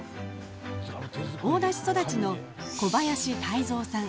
大田市育ちの小林泰三さん。